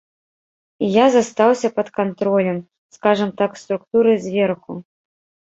І я застаўся пад кантролем, скажам так, структуры зверху.